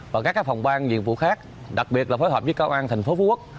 và các phòng ban nhiệm vụ khác đặc biệt là phối hợp với công an tp phú quốc